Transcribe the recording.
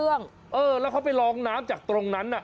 เออแล้วเขาไปลองน้ำจากตรงนั้น